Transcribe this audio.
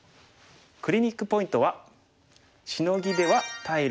クリニックポイントは。